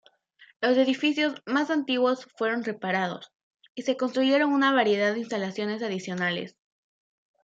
Los edificios más antiguos fueron reparados, y se construyeron una variedad de instalaciones adicionales.